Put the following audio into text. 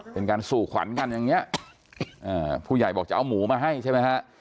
เป็นการสู่ขวัญกันอย่างนี้ผู้ใหญ่บอกจะเอาหมูมาให้ใช่ไหมฮะ